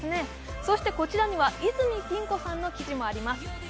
そしてこちらには泉ピン子さんの記事もあります。